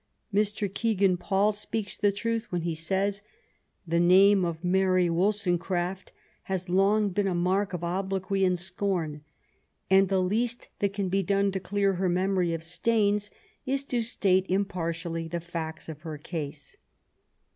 Mr. Kegan Paul speaks the truth when he says, '' The name of Mary Wollstonecraft has long been a mark for obloquy and scorn ^^; and the least that can be done to clear her memory of stains is to state impartially the facts of her case.